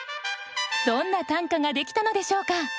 どんな短歌ができたのでしょうか。